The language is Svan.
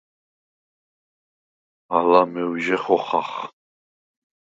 ალა მევჟე ხოხახ.